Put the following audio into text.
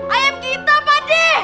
ayam kita padi